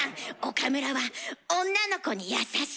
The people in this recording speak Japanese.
岡村は女の子に優しい。